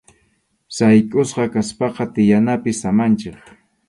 Sayk’usqa kaspaqa tiyanapi samanchik.